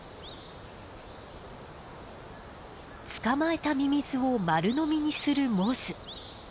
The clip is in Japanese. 捕まえたミミズを丸飲みにするモズ。